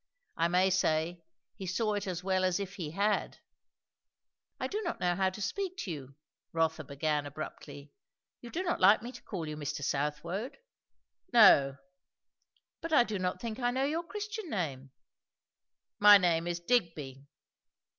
I may say, he saw it as well as if he had. "I do not know how to speak to you," Rotha began abruptly. "You do not like me to call you 'Mr. Southwode.'" "No." "But I do not think I know your Christian name." "My name is Digby."